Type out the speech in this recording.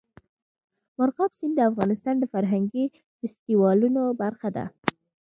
مورغاب سیند د افغانستان د فرهنګي فستیوالونو برخه ده.